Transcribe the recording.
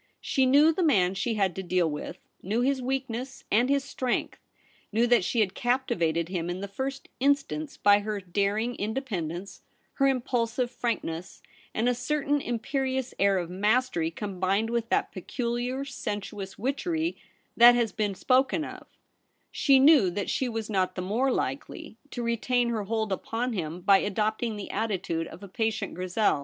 She knew the man she had to deal with — knew his weakness and his strength, knew that she had captivated him in the first instance by her daring independ ence, her impulsive frankness, and a certain imperious air of mastery combined with that peculiar sensuous witchery that has been spoken of She knew that she was not the more likely to retain her hold upon him by adopting the attitude of a patient Grizel.